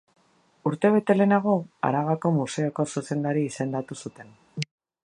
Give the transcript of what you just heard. Urtebete lehenago Arabako Museoko zuzendari izendatu zuten.